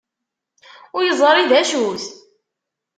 Ur yeẓri d acu-t?